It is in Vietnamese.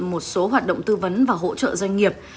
một số hoạt động tư vấn và hỗ trợ doanh nghiệp